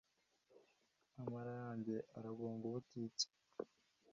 amara yanjye aragonga ubutitsa